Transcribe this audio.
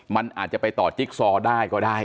มันอาจจะไปต่อจิ๊กซอได้ก็ได้